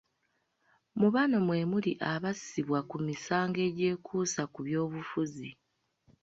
Mu bano mwe muli abasibwa ku misango egyekuusa ku byobufuzi